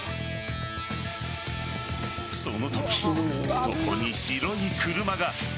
そのとき、そこに白い車が。